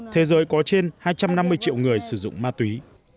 thế giới có trên hai trăm năm mươi triệu người sử dụng ma túy